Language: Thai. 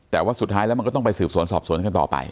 แต่ว่าสุดท้ายแล้วมันก็ต้องไปสืบสวนสอบสวนกันต่อไป